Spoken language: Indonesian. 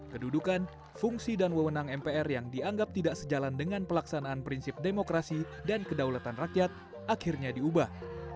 kedudukan fungsi dan wewenang mpr yang dianggap tidak sejalan dengan pelaksanaan prinsip demokrasi dan kedaulatan rakyat akhirnya diubah